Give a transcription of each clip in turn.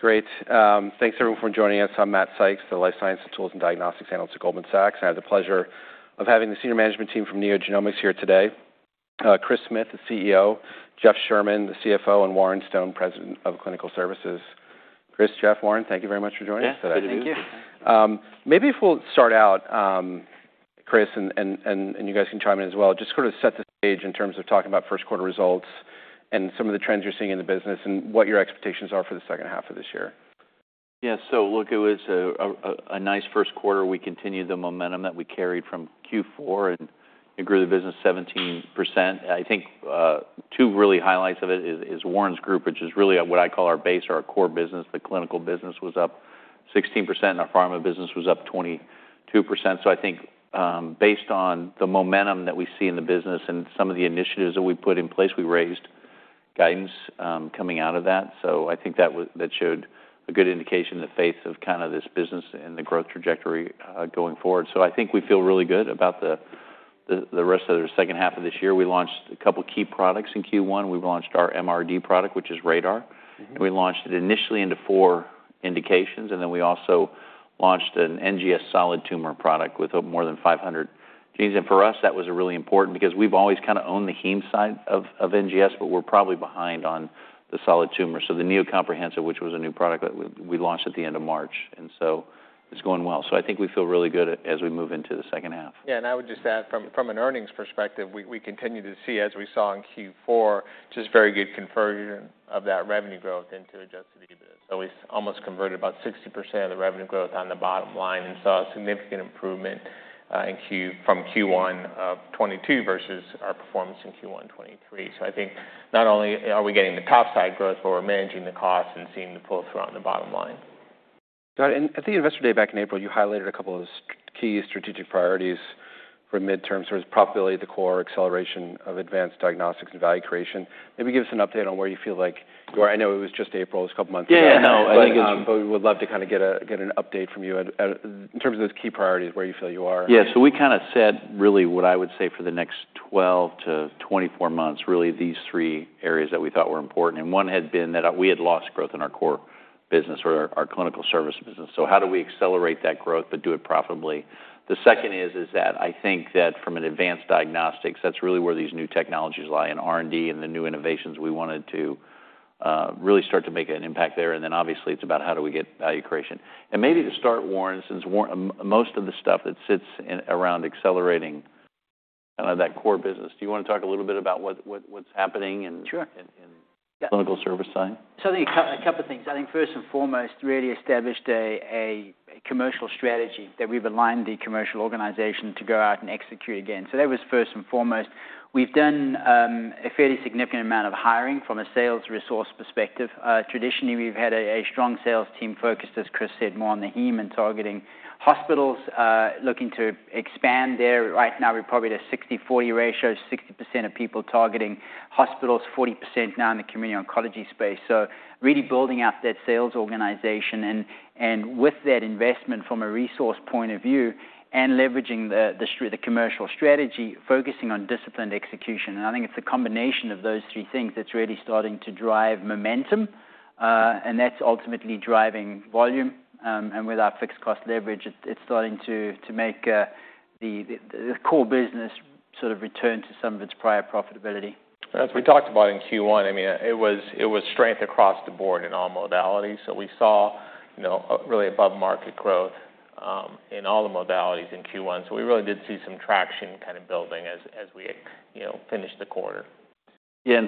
Great. Thanks, everyone, for joining us. I'm Matt Sykes, the life sciences tools and diagnostics analyst at Goldman Sachs. I have the pleasure of having the senior management team from NeoGenomics here today. Chris Smith, the CEO, Jeff Sherman, the CFO, and Warren Stone, President of Clinical Services. Chris, Jeff, Warren, thank you very much for joining us today. Yeah, thank you. Thank you. Maybe if we'll start out, Chris, and you guys can chime in as well. Just sort of set the stage in terms of talking about first quarter results and some of the trends you're seeing in the business and what your expectations are for the second half of this year. Yeah. Look, it was a nice first quarter. We continued the momentum that we carried from Q4 and grew the business 17%. I think, two really highlights of it is Warren's group, which is really what I call our base or our core business. The clinical business was up 16%, and our pharma business was up 22%. I think, based on the momentum that we see in the business and some of the initiatives that we put in place, we raised guidance coming out of that. I think that showed a good indication, the faith of kind of this business and the growth trajectory going forward. I think we feel really good about the rest of the second half of this year. We launched a couple key products in Q1. We launched our MRD product, which is RaDaR. Mm-hmm. We launched it initially into four indications, then we also launched an NGS solid tumor product with more than 500 genes. For us, that was really important because we've always kind of owned the heme side of NGS, but we're probably behind on the solid tumor. The NeoGenomics Comprehensive, which was a new product that we launched at the end of March, and so it's going well. I think we feel really good as we move into the second half. I would just add from an earnings perspective, we continue to see, as we saw in Q4, just very good conversion of that revenue growth into adjusted EBIT. It's almost converted about 60% of the revenue growth on the bottom line and saw a significant improvement from Q1 of 2022 versus our performance in Q1 2023. I think not only are we getting the top-side growth, but we're managing the costs and seeing the pull-through on the bottom line. Got it. At the Investor Day back in April, you highlighted a couple of key strategic priorities for midterm. It was profitability, the core acceleration of Advanced Diagnostics and value creation. Maybe give us an update on where you feel like... I know it was just April, it was a couple months ago. Yeah, yeah. No. We would love to kind of get an update from you in terms of those key priorities, where you feel you are. We kind of said really what I would say for the next 12 to 24 months, really, these three areas that we thought were important, and one had been that we had lost growth in our core business or our clinical service business. How do we accelerate that growth but do it profitably? The second is that I think that from an advanced diagnostics, that's really where these new technologies lie, in R&D and the new innovations. We wanted to really start to make an impact there, obviously, it's about how do we get value creation. Maybe to start, Warren, since most of the stuff that sits in around accelerating that core business, do you wanna talk a little bit about what's happening in- Sure in clinical service side? A couple of things. I think first and foremost, really established a commercial strategy that we've aligned the commercial organization to go out and execute again. That was first and foremost. We've done a fairly significant amount of hiring from a sales resource perspective. Traditionally, we've had a strong sales team focused, as Chris said, more on the heme and targeting hospitals, looking to expand there. Right now, we're probably at a 60/40 ratio, 60% of people targeting hospitals, 40% now in the community oncology space. Really building out that sales organization and with that investment from a resource point of view and leveraging the commercial strategy, focusing on disciplined execution. I think it's a combination of those three things that's really starting to drive momentum, and that's ultimately driving volume. With our fixed cost leverage, it's starting to make the core business sort of return to some of its prior profitability. As we talked about in Q1, I mean, it was strength across the board in all modalities. We saw, you know, really above-market growth in all the modalities in Q1. We really did see some traction kind of building as we, you know, finished the quarter.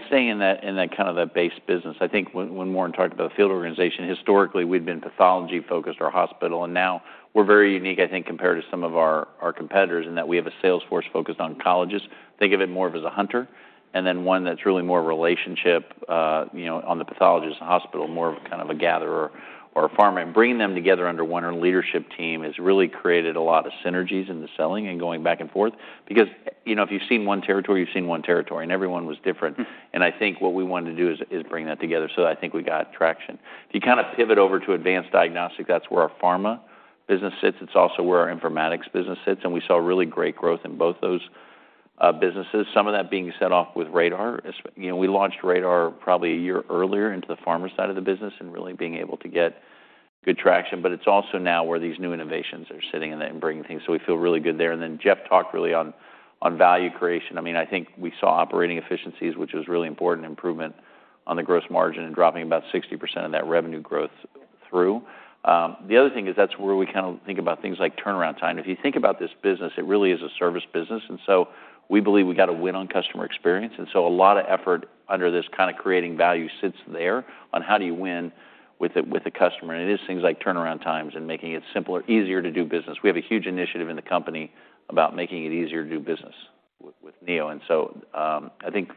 Staying in that, in that kind of that base business, I think when Warren talked about the field organization, historically, we've been pathology-focused or hospital, and now we're very unique, I think, compared to some of our competitors, in that we have a sales force focused on colleagues. Think of it more of as a hunter and then one that's really more relationship, you know, on the pathologist and hospital, more of a kind of a gatherer or a farmer. Bringing them together under one leadership team has really created a lot of synergies in the selling and going back and forth. You know, if you've seen one territory, you've seen one territory, and everyone was different. Mm. I think what we wanted to do is bring that together. I think we got traction. If you kind of pivot over to Advanced Diagnostics, that's where our pharma business sits. It's also where our informatics business sits, and we saw really great growth in both those businesses, some of that being set off with RaDaR. You know, we launched RaDaR probably a year earlier into the pharma side of the business and really being able to get good traction, but it's also now where these new innovations are sitting and then bringing things. We feel really good there. Jeff talked really on value creation. I mean, I think we saw operating efficiencies, which was really important, improvement on the gross margin and dropping about 60% of that revenue growth through. The other thing is that's where we kind of think about things like turnaround time. If you think about this business, it really is a service business, and so we believe we got to win on customer experience, and so a lot of effort under this kind of creating value sits there on how do you win with the, with the customer, and it is things like turnaround times and making it simpler, easier to do business. We have a huge initiative in the company about making it easier to do business with NeoGenomics, and so I think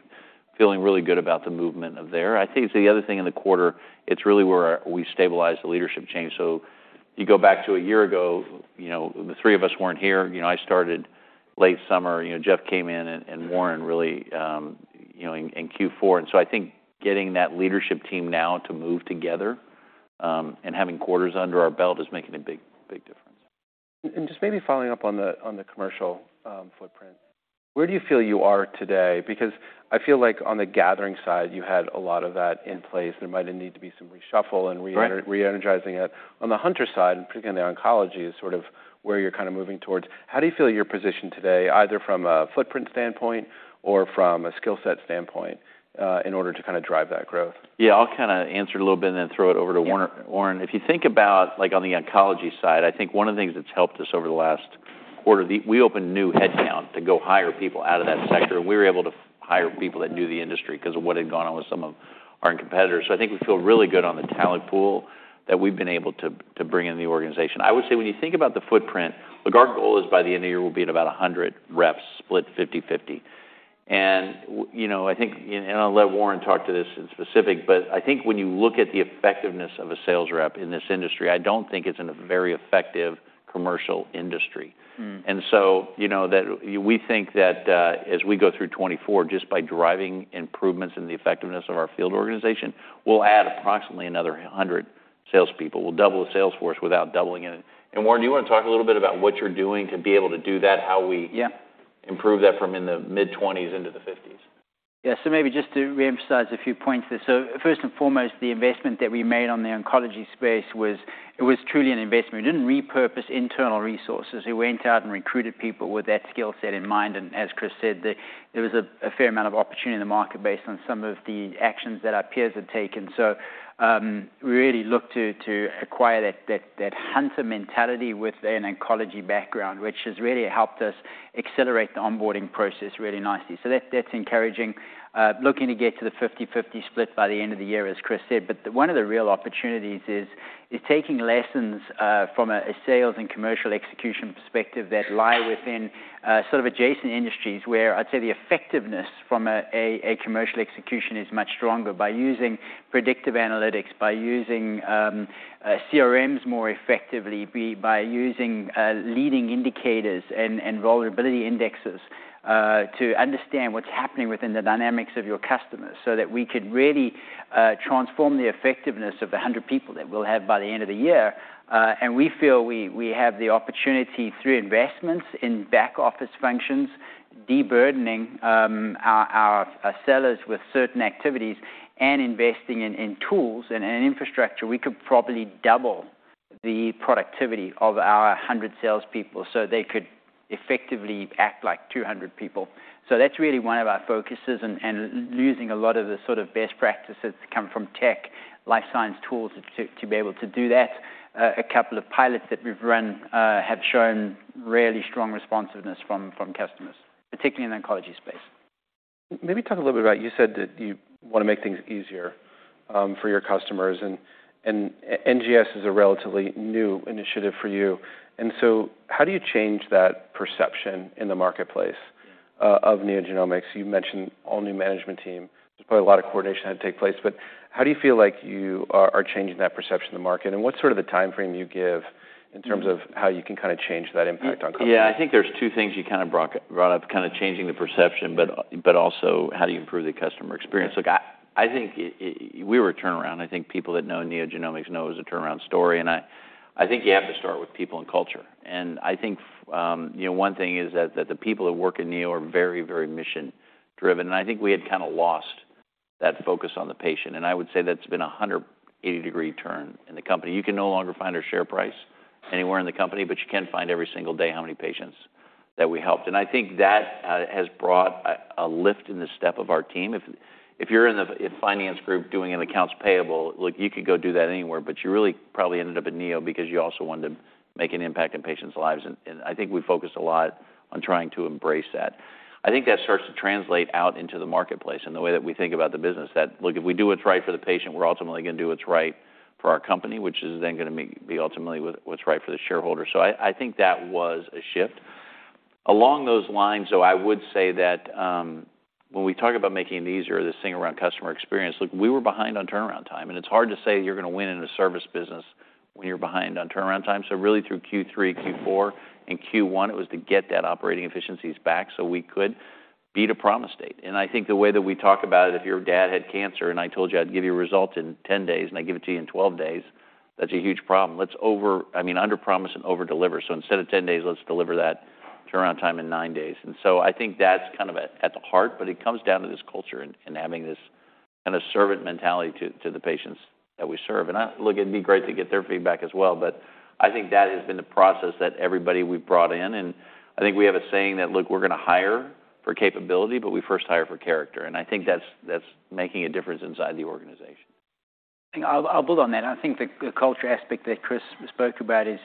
feeling really good about the movement of there. I think the other thing in the quarter, it's really where we stabilized the leadership change. You go back to a year ago, you know, the three of us weren't here. You know, I started late summer, you know, Jeff came in, and Warren really, you know, in Q4. I think getting that leadership team now to move together, and having quarters under our belt is making a big, big difference. Just maybe following up on the, on the commercial, footprint, where do you feel you are today? Because I feel like on the gathering side, you had a lot of that in place. There might need to be some reshuffle. Right re-energizing it. On the hunter side, and particularly in the oncology, is sort of where you're kind of moving towards. How do you feel you're positioned today, either from a footprint standpoint or from a skill set standpoint, in order to kind of drive that growth? Yeah, I'll kind of answer a little bit and then throw it over to Warren. If you think about, like, on the oncology side, I think one of the things that's helped us over the last quarter, we opened a new headcount to go hire people out of that sector, and we were able to hire people that knew the industry because of what had gone on with some of our competitors. I think we feel really good on the talent pool that we've been able to bring in the organization. I would say, when you think about the footprint, look, our goal is, by the end of the year, we'll be at about 100 reps, split 50/50. You know, I think, and I'll let Warren talk to this in specific, but I think when you look at the effectiveness of a sales rep in this industry, I don't think it's in a very effective commercial industry. Mm. You know, we think that, as we go through 2024, just by driving improvements in the effectiveness of our field organization, we'll add approximately another 100 salespeople. We'll double the sales force without doubling it. Warren, do you want to talk a little bit about what you're doing to be able to do that, how we- Yeah improve that from in the mid-20s into the 50s? Maybe just to reemphasize a few points there. First and foremost, the investment that we made on the oncology space was, it was truly an investment. We didn't repurpose internal resources. We went out and recruited people with that skill set in mind, and as Chris said, there was a fair amount of opportunity in the market based on some of the actions that our peers had taken. We really looked to acquire that hunter mentality with an oncology background, which has really helped us accelerate the onboarding process really nicely. That's encouraging. Looking to get to the 50/50 split by the end of the year, as Chris said. One of the real opportunities is taking lessons from a sales and commercial execution perspective that lie within sort of adjacent industries, where I'd say the effectiveness from a commercial execution is much stronger by using predictive analytics, by using CRMs more effectively, by using leading indicators and vulnerability indexes to understand what's happening within the dynamics of your customers, so that we could really transform the effectiveness of the 100 people that we'll have by the end of the year. We feel we have the opportunity, through investments in back-office functions, de-burdening our sellers with certain activities and investing in tools and in infrastructure, we could probably double the productivity of our 100 salespeople, so they could effectively act like 200 people. That's really one of our focuses and using a lot of the sort of best practices that come from tech, life science tools to be able to do that. A couple of pilots that we've run have shown really strong responsiveness from customers, particularly in the oncology space. Maybe talk a little bit about You said that you want to make things easier for your customers, and NGS is a relatively new initiative for you. How do you change that perception in the marketplace of NeoGenomics? You mentioned all-new management team. There's probably a lot of coordination had to take place. How do you feel like you are changing that perception in the market, and what's sort of the timeframe you give in terms of how you can kind of change that impact on customers? Yeah, I think there's two things you kind of brought up, kind of changing the perception, but also how do you improve the customer experience? Look, I think we were a turnaround. I think people that know NeoGenomics know it was a turnaround story, and I think you have to start with people and culture. I think, you know, one thing is that the people that work in Neo are very mission-driven, and I think we had kind of lost that focus on the patient. I would say that's been a 180-degree turn in the company. You can no longer find our share price anywhere in the company, but you can find every single day how many patients that we helped. I think that has brought a lift in the step of our team. If you're in the finance group doing an accounts payable, look, you could go do that anywhere, but you really probably ended up at Neo because you also wanted to make an impact on patients' lives, and I think we focused a lot on trying to embrace that. I think that starts to translate out into the marketplace and the way that we think about the business, that, look, if we do what's right for the patient, we're ultimately going to do what's right for our company, which is then going to be ultimately what's right for the shareholder. I think that was a shift. Along those lines, though, I would say that, when we talk about making it easier, this thing around customer experience, look, we were behind on turnaround time, and it's hard to say you're going to win in a service business when you're behind on turnaround time. Really through Q3, Q4, and Q1, it was to get that operating efficiencies back so we could beat a promise date. I think the way that we talk about it, if your dad had cancer and I told you I'd give you a result in 10 days, and I give it to you in 12 days, that's a huge problem. I mean, underpromise and overdeliver. Instead of 10 days, let's deliver that turnaround time in 9 days. I think that's kind of at the heart, but it comes down to this culture and having this kind of servant mentality to the patients that we serve. Look, it'd be great to get their feedback as well, but I think that has been the process that everybody we've brought in, I think we have a saying that, "Look, we're going to hire for capability, but we first hire for character." I think that's making a difference inside the organization. I'll build on that. I think the culture aspect that Chris spoke about is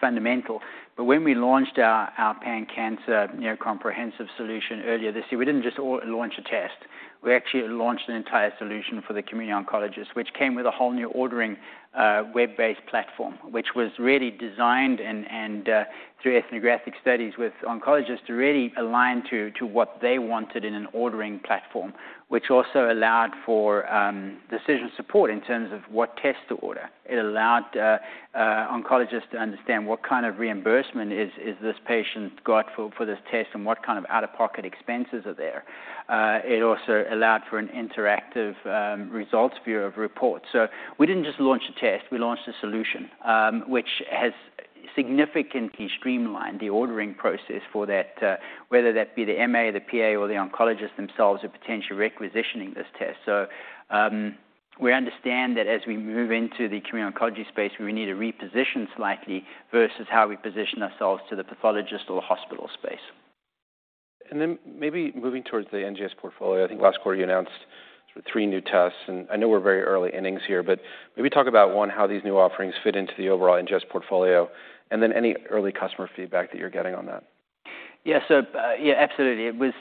fundamental. When we launched our pan-cancer, you know, comprehensive solution earlier this year, we didn't just launch a test. We actually launched an entire solution for the community oncologists, which came with a whole new ordering web-based platform, which was really designed and through ethnographic studies with oncologists to really align to what they wanted in an ordering platform, which also allowed for decision support in terms of what tests to order. It allowed oncologists to understand what kind of reimbursement is this patient got for this test and what kind of out-of-pocket expenses are there. It also allowed for an interactive results view of reports. We didn't just launch a test, we launched a solution, which has significantly streamlined the ordering process for that, whether that be the M.A., the P.A., or the oncologist themselves are potentially requisitioning this test. We understand that as we move into the community oncology space, we need to reposition slightly versus how we position ourselves to the pathologist or the hospital space. Maybe moving towards the NGS portfolio, I think last quarter you announced 3 new tests, and I know we're very early innings here, but maybe talk about, 1, how these new offerings fit into the overall NGS portfolio, and then any early customer feedback that you're getting on that? Yeah. Yeah, absolutely. It was,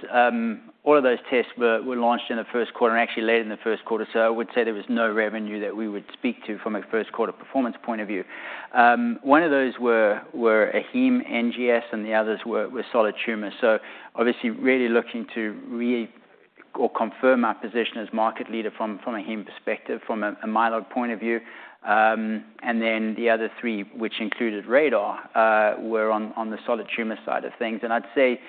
all of those tests were launched in the 1st quarter, and actually late in the 1st quarter. I would say there was no revenue that we would speak to from a 1st-quarter performance point of view. One of those were a heme NGS. The others were solid tumor. Obviously, really looking to confirm our position as market leader from a heme perspective, from a myeloma point of view. Then the other three, which included RaDaR, were on the solid tumor side of things. I'd say,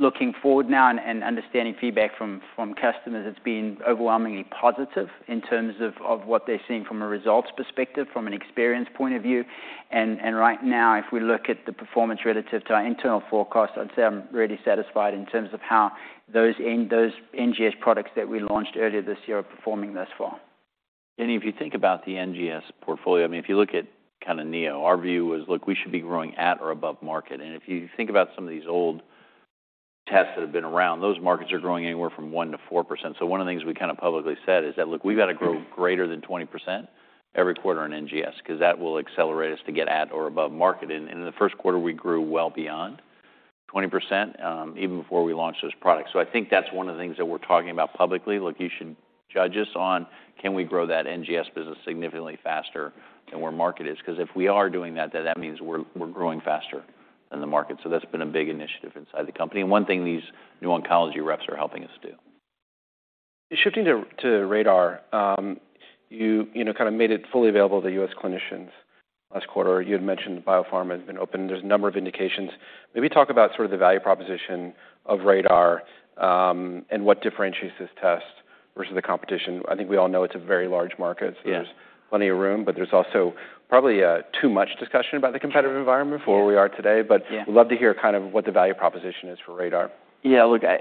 looking forward now and understanding feedback from customers, it's been overwhelmingly positive in terms of what they're seeing from a results perspective, from an experience point of view. Right now, if we look at the performance relative to our internal forecast, I'd say I'm really satisfied in terms of how those NGS products that we launched earlier this year are performing thus far. If you think about the NGS portfolio, I mean, if you look at kind of NeoGenomics, our view was, look, we should be growing at or above market. If you think about some of these old tests that have been around, those markets are growing anywhere from 1%-4%. One of the things we kind of publicly said is that, look, we've got to grow greater than 20% every quarter in NGS, 'cause that will accelerate us to get at or above market. In the first quarter, we grew well beyond 20% even before we launched those products. I think that's one of the things that we're talking about publicly. Look, you should judge us on, can we grow that NGS business significantly faster than where market is? 'Cause if we are doing that, then that means we're growing faster than the market. That's been a big initiative inside the company, and one thing these new oncology reps are helping us do. Shifting to RaDaR, you know, kind of made it fully available to U.S. clinicians last quarter. You had mentioned biopharma had been open. There's a number of indications. Maybe talk about sort of the value proposition of RaDaR, and what differentiates this test versus the competition. I think we all know it's a very large market. Yeah. There's plenty of room, but there's also probably, too much discussion about the competitive environment before we are today. Yeah. We'd love to hear kind of what the value proposition is for RaDaR. Yeah, look, I,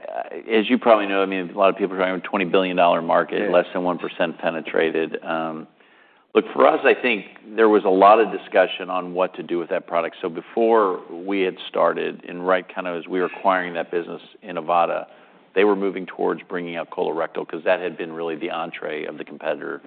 as you probably know, I mean, a lot of people are talking about a $20 billion market- Yeah... less than 1% penetrated. Look, for us, I think there was a lot of discussion on what to do with that product. Before we had started, and right kind of as we were acquiring that business in Inivata, they were moving towards bringing out colorectal 'cause that had been really the entrée of the competitor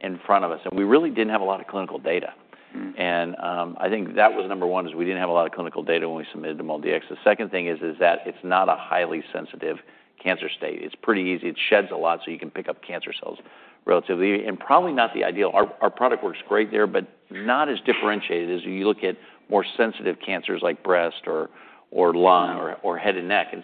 in front of us, and we really didn't have a lot of clinical data. Mm-hmm. I think that was number one, is we didn't have a lot of clinical data when we submitted to MolDX. The second thing is that it's not a highly sensitive cancer state. It's pretty easy. It sheds a lot, so you can pick up cancer cells relatively, and probably not the ideal. Our product works great there, but not as differentiated as you look at more sensitive cancers like breast or lung or head and neck.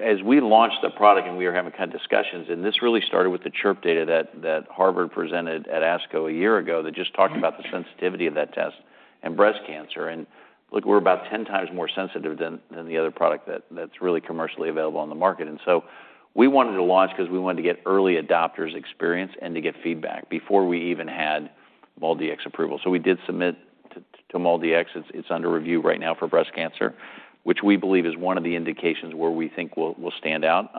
As we launched the product and we were having kind of discussions, and this really started with the CHIRP data that Harvard presented at ASCO a year ago, that just talked about- Mm-hmm .the sensitivity of that test in breast cancer. Look, we're about 10 times more sensitive than the other product that's really commercially available on the market. So we wanted to launch 'cause we wanted to get early adopters' experience and to get feedback before we even had MolDX approval. We did submit to MolDX. It's under review right now for breast cancer, which we believe is one of the indications where we think we'll stand out.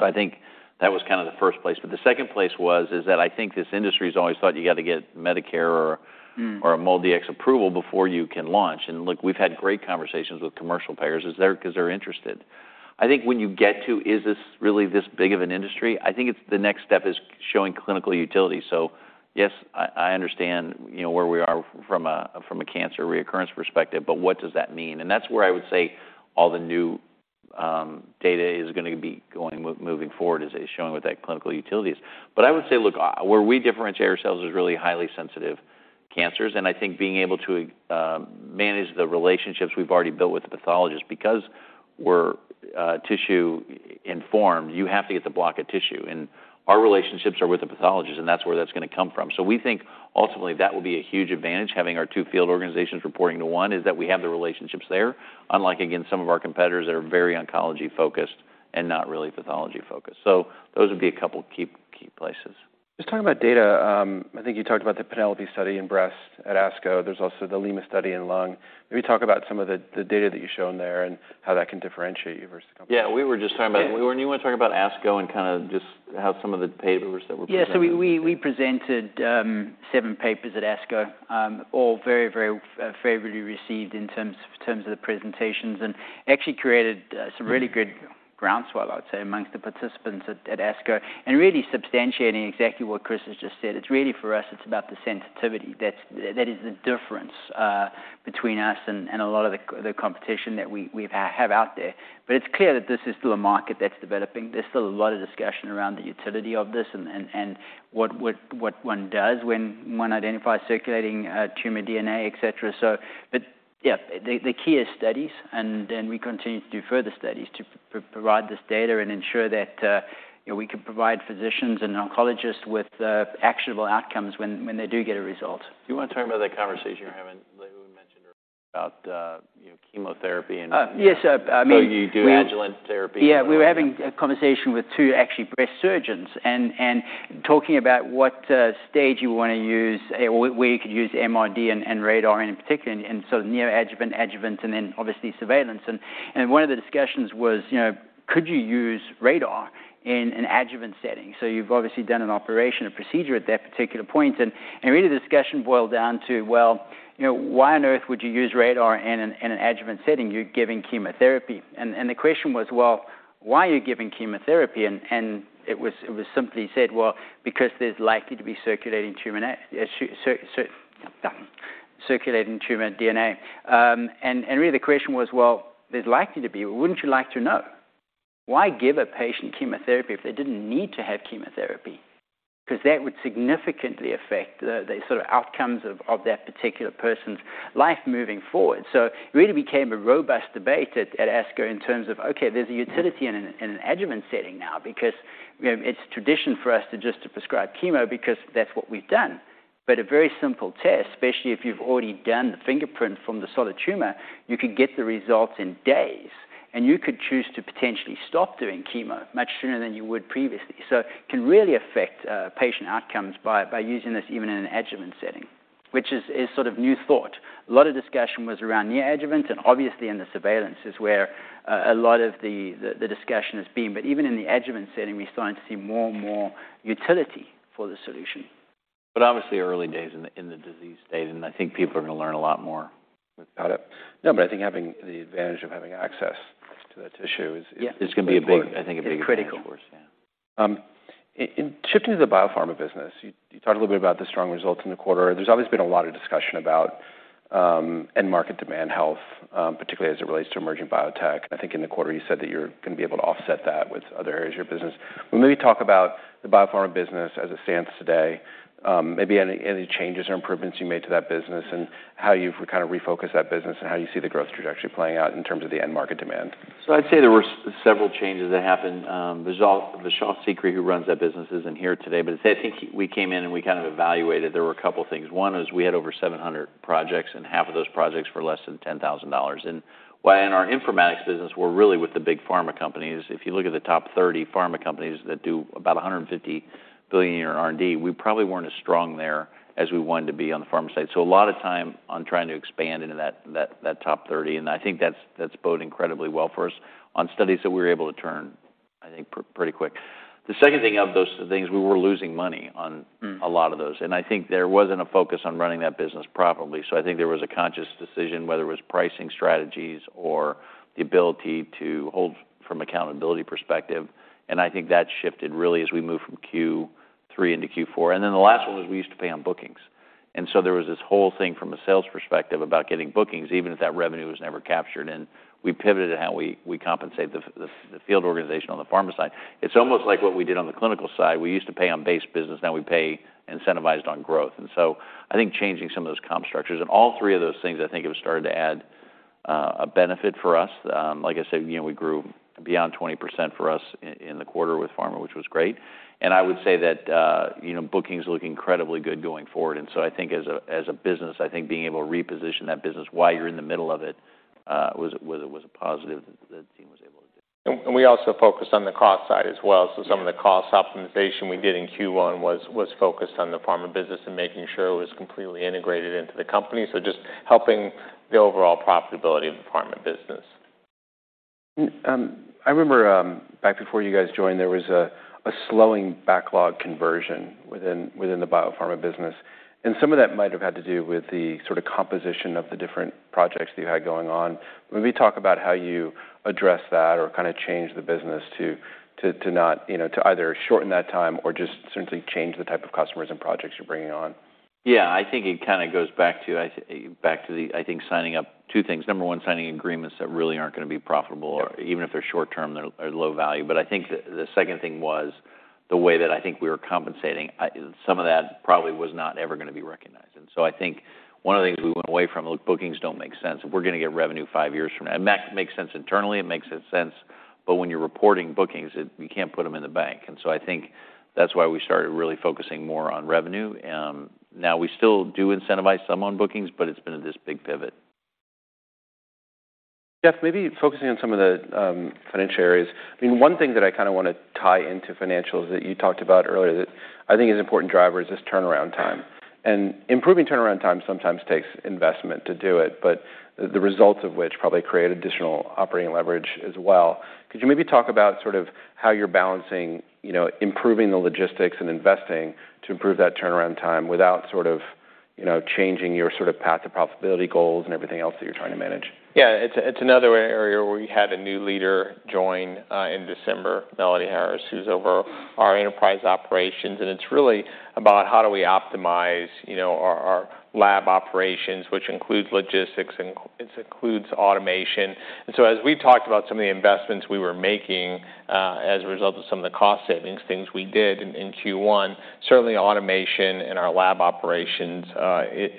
I think that was kind of the first place, but the second place was, is that I think this industry has always thought you got to get Medicare or- Mm or a MolDX approval before you can launch. Look, we've had great conversations with commercial payers; is they're interested. I think when you get to, is this really this big of an industry? I think it's the next step is showing clinical utility. Yes, I understand, you know, where we are from a, from a cancer recurrence perspective, but what does that mean? That's where I would say all the new data is gonna be going, moving forward, is showing what that clinical utility is. I would say, look, where we differentiate ourselves is really highly sensitive cancers, and I think being able to manage the relationships we've already built with the pathologist. Because we're tissue informed, you have to get the block of tissue, and our relationships are with the pathologist, and that's where that's gonna come from. We think ultimately that will be a huge advantage. Having our two field organizations reporting to one, is that we have the relationships there, unlike, again, some of our competitors that are very oncology-focused and not really pathology-focused. Those would be a couple key places. Just talking about data, I think you talked about the PENELOPE-B study in breast at ASCO. There's also the Lima study in lung. Maybe talk about some of the data that you've shown there and how that can differentiate you versus competition. Yeah, we were just talking about- Yeah. Well, you wanna talk about ASCO and kind of just how some of the papers that were presented? We presented seven papers at ASCO, all very, very favorably received in terms of the presentations, and actually created some really good groundswell, I'd say, amongst the participants at ASCO, and really substantiating exactly what Chris has just said. It's really, for us, it's about the sensitivity. That is the difference between us and a lot of the competition that we have out there. It's clear that this is still a market that's developing. There's still a lot of discussion around the utility of this and what one does when one identifies circulating tumor DNA, et cetera. Yeah, the key is studies, and then we continue to do further studies to provide this data and ensure that, you know, we can provide physicians and oncologists with actionable outcomes when they do get a result. Do you wanna talk about that conversation you're having? you know, chemotherapy. Yes, I mean. You do adjuvant therapy? Yeah, we were having a conversation with two actually breast surgeons and talking about what stage you want to use, where you could use MRD and RaDaR in particular, and so neoadjuvant, adjuvant, and then obviously surveillance. One of the discussions was, you know, could you use RaDaR in an adjuvant setting? You've obviously done an operation, a procedure at that particular point, and really the discussion boiled down to, well, you know, why on earth would you use RaDaR in an adjuvant setting? You're giving chemotherapy. The question was, well, why are you giving chemotherapy? It was simply said, "Well, because there's likely to be circulating tumor DNA." Really the question was, well, there's likely to be, but wouldn't you like to know? Why give a patient chemotherapy if they didn't need to have chemotherapy? 'Cause that would significantly affect the sort of outcomes of that particular person's life moving forward. It really became a robust debate at ASCO in terms of, okay, there's a utility in an adjuvant setting now, because, you know, it's tradition for us to just to prescribe chemo because that's what we've done. A very simple test, especially if you've already done the fingerprint from the solid tumor, you could get the results in days, and you could choose to potentially stop doing chemo much sooner than you would previously. It can really affect patient outcomes by using this even in an adjuvant setting, which is sort of new thought. A lot of discussion was around neoadjuvant. Obviously in the surveillance is where, a lot of the discussion has been. Even in the adjuvant setting, we're starting to see more and more utility for the solution. Obviously early days in the, in the disease state, and I think people are gonna learn a lot more about it. No, I think having the advantage of having access to that tissue. Yeah is gonna be a big, I think, a big advantage for us. It's critical. In shifting to the biopharma business, you talked a little bit about the strong results in the quarter. There's always been a lot of discussion about end market demand health, particularly as it relates to emerging biotech. I think in the quarter, you said that you're gonna be able to offset that with other areas of your business. Maybe talk about the biopharma business as it stands today, maybe any changes or improvements you made to that business, and how you've kind of refocused that business and how you see the growth trajectory playing out in terms of the end market demand. I'd say there were several changes that happened. Vishal Sikri, who runs that business, isn't here today, but I think we came in and we kind of evaluated. There were a couple things. One was we had over 700 projects, and half of those projects were less than $10,000. While in our informatics business, we're really with the big pharma companies. If you look at the top 30 pharma companies that do about $150 billion a year in R&D, we probably weren't as strong there as we wanted to be on the pharma side. A lot of time on trying to expand into that top 30, and I think that's bode incredibly well for us on studies that we were able to turn, I think, pretty quick. The second thing of those things, we were losing money on. Mm. A lot of those. I think there wasn't a focus on running that business properly. I think there was a conscious decision, whether it was pricing strategies or the ability to hold from accountability perspective, and I think that shifted really as we moved from Q3 into Q4. The last one was we used to pay on bookings, and so there was this whole thing from a sales perspective about getting bookings, even if that revenue was never captured. We pivoted how we compensate the field organization on the pharma side. It's almost like what we did on the clinical side. We used to pay on base business, now we pay incentivized on growth. I think changing some of those comp structures and all three of those things, I think have started to add a benefit for us. Like I said, you know, we grew beyond 20% for us in the quarter with pharma, which was great. I would say that, you know, bookings look incredibly good going forward, I think as a business, I think being able to reposition that business while you're in the middle of it, was a positive that the team was able to do. We also focused on the cost side as well. Yes. Some of the cost optimization we did in Q1 was focused on the pharma business and making sure it was completely integrated into the company. Just helping the overall profitability of the pharma business. I remember back before you guys joined, there was a slowing backlog conversion within the biopharma business, and some of that might have had to do with the sort of composition of the different projects that you had going on. Maybe talk about how you addressed that or kind of changed the business. You know, to either shorten that time or just simply change the type of customers and projects you're bringing on. I think it kind of goes back to, back to the, I think, signing up two things. Number one, signing agreements that really aren't gonna be profitable or even if they're short term, they're low value. I think the second thing was the way that I think we were compensating. Some of that probably was not ever gonna be recognized. I think one of the things we went away from, look, bookings don't make sense. If we're gonna get revenue five years from now, and that makes sense internally, it makes sense, but when you're reporting bookings, you can't put them in the bank. I think that's why we started really focusing more on revenue. Now, we still do incentivize some on bookings, but it's been this big pivot. Jeff, maybe focusing on some of the financial areas. I mean, one thing that I kind of want to tie into financials that you talked about earlier that I think is important driver is just turnaround time. Improving turnaround time sometimes takes investment to do it, but the results of which probably create additional operating leverage as well. Could you maybe talk about sort of how you're balancing, you know, improving the logistics and investing to improve that turnaround time without sort of, you know, changing your sort of path to profitability goals and everything else that you're trying to manage? Yeah, it's another area where we had a new leader join in December, Melody Harris, who's over our enterprise operations, and it's really about how do we optimize, you know, our lab operations, which includes logistics, and this includes automation. As we talked about some of the investments we were making as a result of some of the cost savings things we did in Q1, certainly automation in our lab operations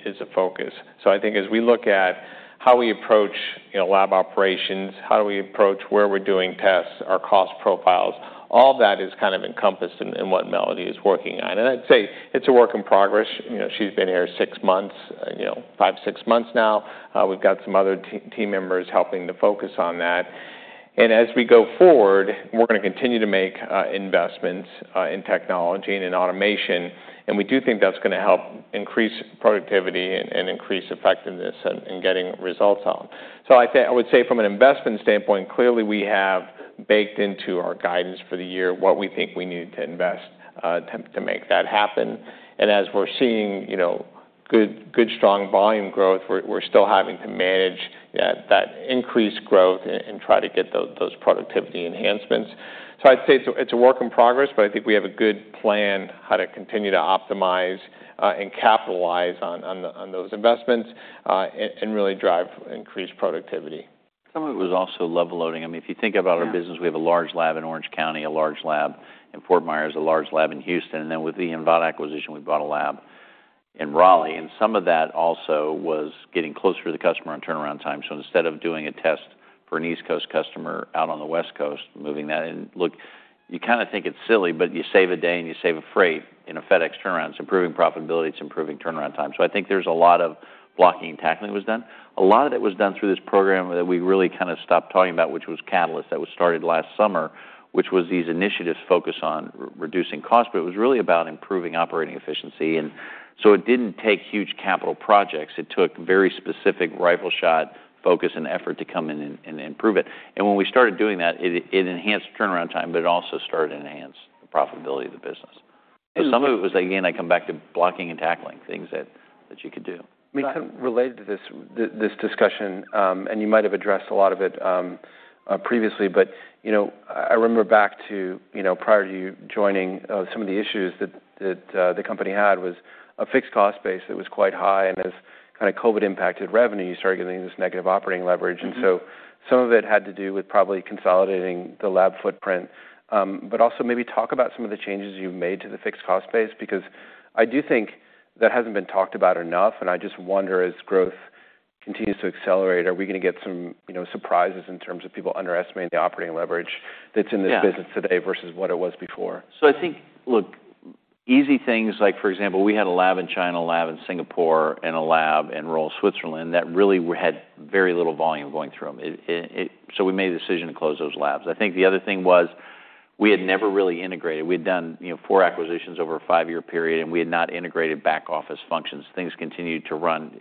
is a focus. I think as we look at how we approach- you know, lab operations, how do we approach where we're doing tests, our cost profiles, all that is kind of encompassed in what Melody is working on. I'd say it's a work in progress. You know, she's been here 6 months, you know, 5, 6 months now. We've got some other team members helping to focus on that. As we go forward, we're gonna continue to make investments in technology and in automation, and we do think that's gonna help increase productivity and increase effectiveness in getting results on. I would say from an investment standpoint, clearly we have baked into our guidance for the year, what we think we need to invest to make that happen. As we're seeing, you know, good strong volume growth, we're still having to manage that increased growth and try to get those productivity enhancements. I'd say it's a work in progress, but I think we have a good plan how to continue to optimize and capitalize on those investments and really drive increased productivity. Some of it was also level loading. I mean, if you think about our business. Yeah... we have a large lab in Orange County, a large lab in Fort Myers, a large lab in Houston, and then with the Inivata acquisition, we bought a lab in Raleigh, and some of that also was getting closer to the customer on turnaround time. Instead of doing a test for an East Coast customer out on the West Coast, moving that... Look, you kinda think it's silly, but you save a day and you save a freight in a FedEx turnaround. It's improving profitability, it's improving turnaround time. I think there's a lot of blocking and tackling that was done. A lot of it was done through this program that we really kinda stopped talking about, which was Catalyst. It was started last summer, which was these initiatives focused on reducing cost, but it was really about improving operating efficiency. It didn't take huge capital projects. It took very specific rifle shot, focus, and effort to come in and improve it. When we started doing that, it enhanced turnaround time, but it also started to enhance the profitability of the business. Some of it was, again, I come back to blocking and tackling, things that you could do. Related to this discussion, and you might have addressed a lot of it previously, but, you know, I remember back to, you know, prior to you joining, some of the issues that the company had was a fixed cost base that was quite high. As kind of COVID impacted revenue, you started getting this negative operating leverage. Mm-hmm. Some of it had to do with probably consolidating the lab footprint. Also maybe talk about some of the changes you've made to the fixed cost base, because I do think that hasn't been talked about enough, and I just wonder, as growth continues to accelerate, are we gonna get some, you know, surprises in terms of people underestimating the operating leverage? Yeah that's in this business today versus what it was before? I think, look, easy things, like, for example, we had a lab in China, a lab in Singapore, and a lab in rural Switzerland, that really we had very little volume going through them. So we made the decision to close those labs. I think the other thing was we had never really integrated. We'd done, you know, four acquisitions over a five-year period, and we had not integrated back office functions. Things continued to run.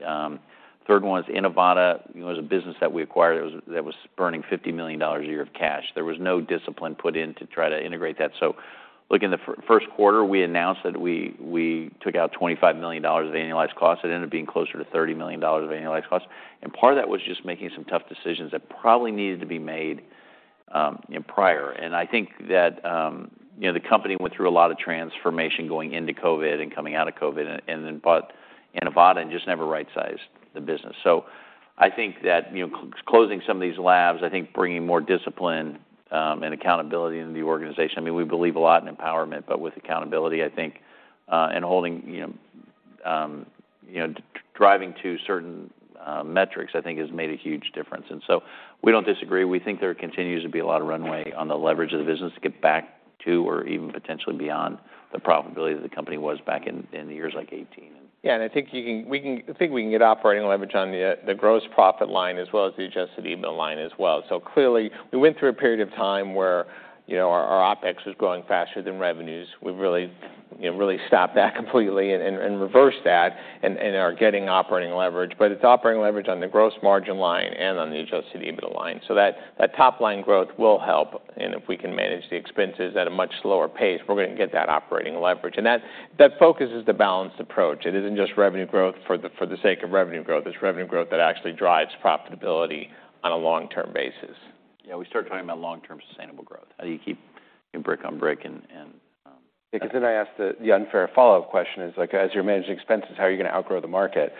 Third one was Inivata. It was a business that we acquired, that was burning $50 million a year of cash. There was no discipline put in to try to integrate that. Look, in the first quarter, we announced that we took out $25 million of annualized costs. It ended up being closer to $30 million of annualized costs, part of that was just making some tough decisions that probably needed to be made, you know, prior. I think that, you know, the company went through a lot of transformation going into COVID and coming out of COVID, and then bought Inivata and just never right-sized the business. I think that, you know, closing some of these labs, I think bringing more discipline and accountability into the organization - I mean, we believe a lot in empowerment, but with accountability, I think, and holding, you know, driving to certain metrics, I think, has made a huge difference. We don't disagree. We think there continues to be a lot of runway on the leverage of the business to get back to or even potentially beyond the profitability that the company was back in the years like 2018. I think we can get operating leverage on the gross profit line as well as the adjusted EBITDA line as well. Clearly, we went through a period of time where, you know, our OpEx was growing faster than revenues. We've really stopped that completely and reversed that and are getting operating leverage. It's operating leverage on the gross margin line and on the adjusted EBITDA line. That, that top line growth will help, and if we can manage the expenses at a much slower pace, we're gonna get that operating leverage. That, that focus is the balanced approach. It isn't just revenue growth for the sake of revenue growth. It's revenue growth that actually drives profitability on a long-term basis. We start talking about long-term sustainable growth, how do you keep brick on brick and. I ask the unfair follow-up question is, like, as you're managing expenses, how are you gonna outgrow the market?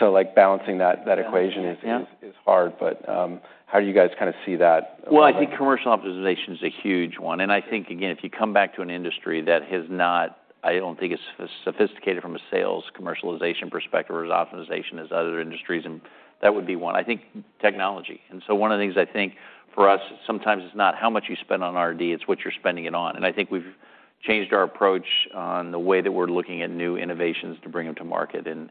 Like, balancing that equation. Yeah is hard, but, how do you guys kinda see that? I think commercial optimization is a huge one. I think, again, if you come back to an industry that has not... I don't think it's as sophisticated from a sales commercialization perspective or as optimization as other industries, and that would be one. I think technology. So one of the things I think for us, sometimes it's not how much you spend on R&D, it's what you're spending it on. I think we've changed our approach on the way that we're looking at new innovations to bring them to market and...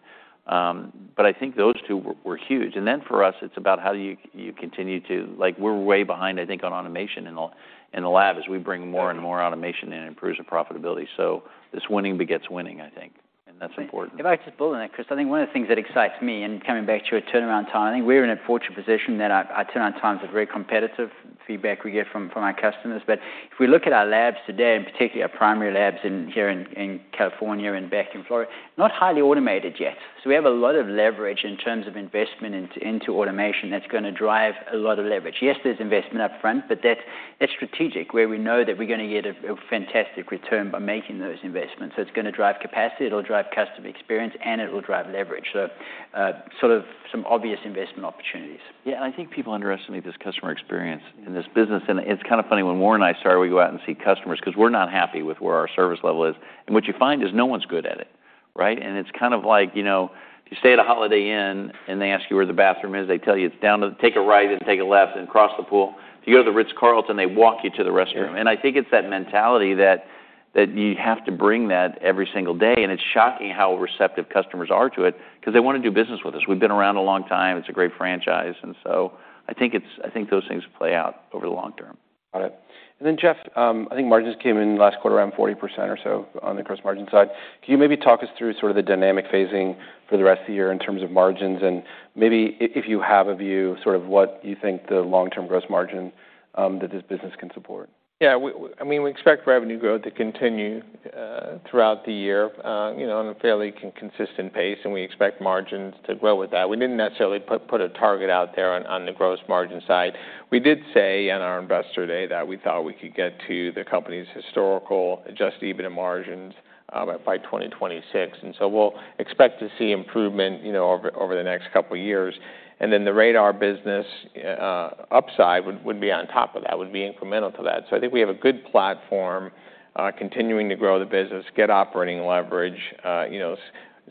I think those two were huge. For us, it's about how you continue to like, we're way behind, I think, on automation in the lab. As we bring more and more automation in, it improves the profitability. This winning begets winning, I think, and that's important. If I could just build on that, Chris, I think one of the things that excites me, coming back to a turnaround time, I think we're in a fortunate position that our turnaround times are very competitive, feedback we get from our customers. If we look at our labs today, and particularly our primary labs here in California and back in Florida, not highly automated yet. We have a lot of leverage in terms of investment into automation that's gonna drive a lot of leverage. Yes, there's investment upfront, but that's strategic, where we know that we're gonna get a fantastic return by making those investments. It's gonna drive capacity, it'll drive customer experience, and it will drive leverage. Sort of some obvious investment opportunities. I think people underestimate this customer experience in this business. It's kind of funny, when Warren and I start, we go out and see customers because we're not happy with where our service level is, and what you find is no one's good at it. Right? It's kind of like, you know, if you stay at a Holiday Inn, and they ask you where the bathroom is, they tell you it's. Take a right, and take a left, and cross the pool. If you go to The Ritz-Carlton, they walk you to the restroom. Yeah. I think it's that mentality that you have to bring that every single day, and it's shocking how receptive customers are to it, 'cause they wanna do business with us. We've been around a long time. It's a great franchise. I think those things play out over the long term. Got it. Jeff, I think margins came in last quarter, around 40% or so on the gross margin side. Can you maybe talk us through sort of the dynamic phasing for the rest of the year in terms of margins, and maybe if you have a view, sort of what you think the long-term gross margin that this business can support? Yeah, I mean, we expect revenue growth to continue throughout the year, you know, on a fairly consistent pace, and we expect margins to grow with that. We didn't necessarily put a target out there on the gross margin side. We did say in our Investor Day that we thought we could get to the company's historical adjusted EBITDA margins by 2026, and we'll expect to see improvement, you know, over the next couple of years. The RaDaR business upside would be on top of that, would be incremental to that. I think we have a good platform, continuing to grow the business, get operating leverage, you know,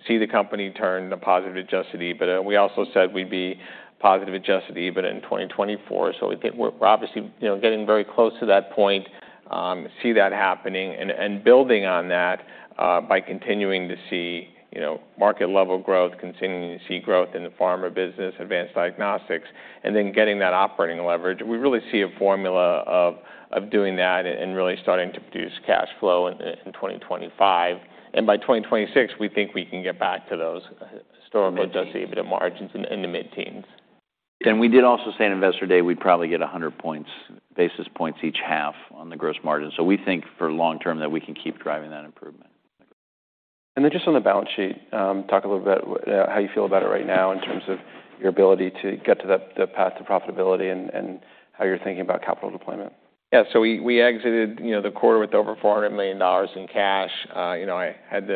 see the company turn a positive adjusted EBITDA. We also said we'd be positive adjusted EBITDA in 2024, so I think we're obviously, you know, getting very close to that point, see that happening and building on that by continuing to see, you know, market-level growth, continuing to see growth in the pharma business, Advanced Diagnostics, and then getting that operating leverage. We really see a formula of doing that and really starting to produce cash flow in 2025. By 2026, we think we can get back to those historical- Mid-teens adjusted EBITDA margins in the mid-teens. We did also say in Investor Day, we'd probably get 100 points, basis points each half on the gross margin. We think, for long term, that we can keep driving that improvement. Just on the balance sheet, talk a little bit how you feel about it right now in terms of your ability to get to that, the path to profitability and how you're thinking about capital deployment? Yeah, we exited, you know, the quarter with over $400 million in cash. You know, I had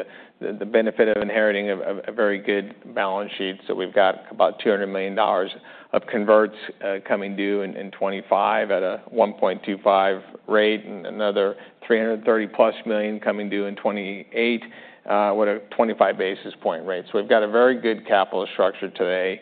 the benefit of inheriting a very good balance sheet. We've got about $200 million of converts coming due in 2025 at a 1.25% rate and another $330+ million coming due in 2028 with a 25 basis point rate. We've got a very good capital structure today.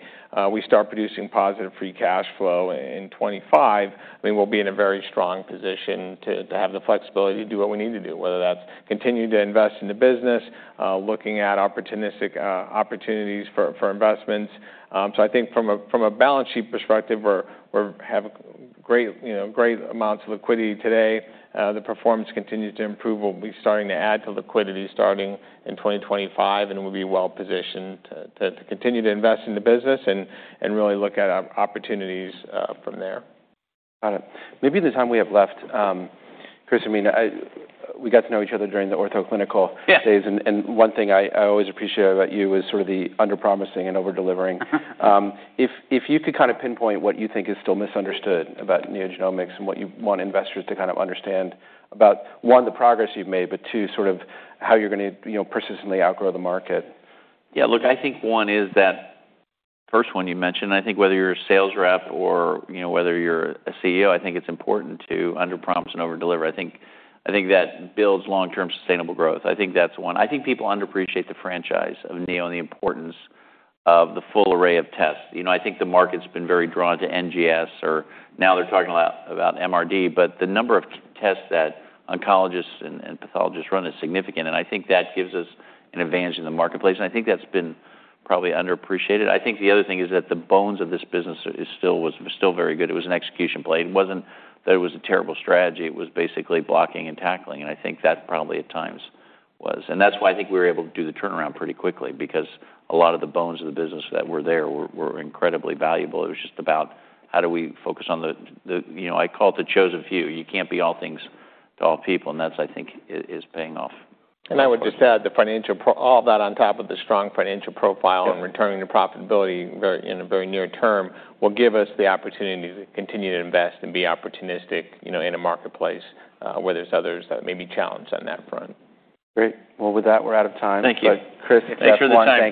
We start producing positive free cash flow in 2025. I think we'll be in a very strong position to have the flexibility to do what we need to do, whether that's continuing to invest in the business, looking at opportunistic opportunities for investments. I think from a balance sheet perspective, we're have a great, you know, great amounts of liquidity today. The performance continues to improve. We'll be starting to add to liquidity starting in 2025, and we'll be well-positioned to continue to invest in the business and really look at opportunities from there. Got it. Maybe the time we have left, Chris, I mean, we got to know each other during the Ortho Clinical- Yeah days, and one thing I always appreciate about you is sort of the under-promising and over-delivering. If you could kind of pinpoint what you think is still misunderstood about NeoGenomics and what you want investors to kind of understand about, one, the progress you've made, but two, sort of how you're gonna, you know, persistently outgrow the market. Yeah, look, I think one is that first one you mentioned. I think whether you're a sales rep or, you know, whether you're a CEO, I think it's important to underpromise and overdeliver. I think that builds long-term sustainable growth. I think that's one. I think people underappreciate the franchise of NeoGenomics and the importance of the full array of tests. You know, I think the market's been very drawn to NGS, or now they're talking about MRD, but the number of t-tests that oncologists and pathologists run is significant, and I think that gives us an advantage in the marketplace, and I think that's been probably underappreciated. I think the other thing is that the bones of this business is still was still very good. It was an execution play. It wasn't that it was a terrible strategy. It was basically blocking and tackling, and I think that probably, at times, was. That's why I think we were able to do the turnaround pretty quickly, because a lot of the bones of the business that were there were incredibly valuable. It was just about, how do we focus on the, you know, I call it the chosen few. You can't be all things to all people, and that's, I think, is paying off. I would just add all that on top of the strong financial profile. Yeah and returning to profitability very, in a very near term, will give us the opportunity to continue to invest and be opportunistic, you know, in a marketplace, where there's others that may be challenged on that front. Great. Well, with that, we're out of time. Thank you. But Chris- Thanks for the time, thank you.